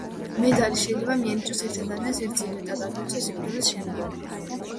მედალი შეიძლება მიენიჭოს ერთ ადამიანს ერთზე მეტად, აგრეთვე, სიკვდილის შემდგომ.